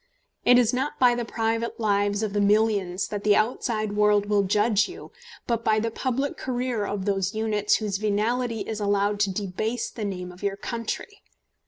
It is not by the private lives of the millions that the outside world will judge you, but by the public career of those units whose venality is allowed to debase the name of your country.